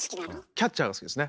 キャッチャーが好きですね。